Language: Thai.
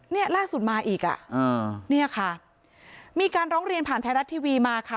เนี่ยล่าสุดมาอีกอ่ะอ่าเนี่ยค่ะมีการร้องเรียนผ่านไทยรัฐทีวีมาค่ะ